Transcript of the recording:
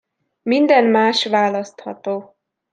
Minden más választható.